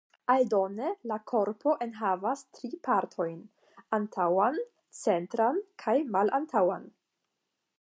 Aldone, la korpo enhavas tri partojn: antaŭan, centran kaj malantaŭan.